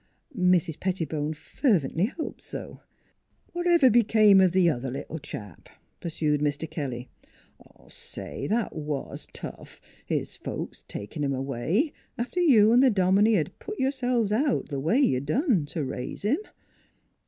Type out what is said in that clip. " Mrs. Pettibone fervently hoped so. "Whatever become of th' other little chap?" pursued Mr. Kelly. ..." Say, that was tough his folks takin' him away, after you an' th' dominie 'd put yourselves out the way you done t' raise him."